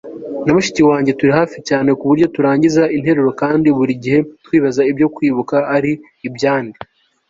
na mushiki wanjye turi hafi cyane ku buryo turangiza interuro kandi buri gihe twibaza ibyo kwibuka ari ibya nde